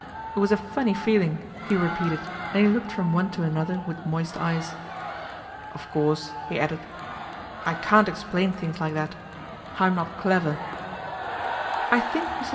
It was a funny ;eling," lie repeated, and he looked from one to nother with moist eyes. " Of course," he added, I can't explain things like that. I'm not clever." " I think, i\lr.